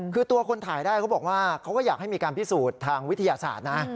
คือตัวคนถ่ายได้เขาบอกว่าเขาก็อยากให้มีการพิสูจน์ทางวิทยาศาสตร์นะ